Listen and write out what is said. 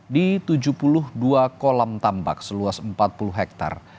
di tujuh puluh dua kolam tambak seluas empat puluh hektare